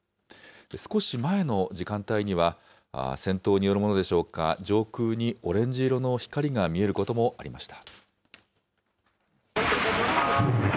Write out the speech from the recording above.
少し前の時間帯には、戦闘によるものでしょうか、上空にオレンジ色の光が見えることもありました。